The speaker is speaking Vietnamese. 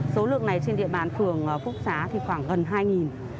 số lượng này trên địa bàn phường phúc xá thì khoảng gần hai